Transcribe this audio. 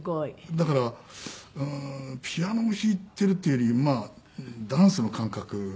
だからピアノを弾いてるっていうよりダンスの感覚。